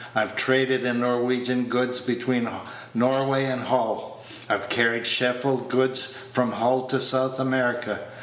I've traded in Norwegian goods between Norway and Hull. I've carried Sheffield goods from Hull to South America.